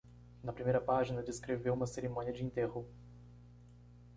Na primeira página descreveu uma cerimônia de enterro.